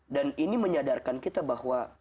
dan ini menyadarkan kita bahwa